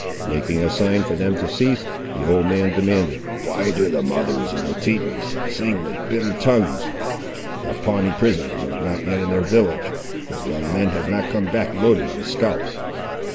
Making a sign for them to cease, the old man demanded— "Why do the mothers of the Tetons sing with bitter tongues? The Pawnee prisoners are not yet in their village; their young men have not come back loaded with scalps!"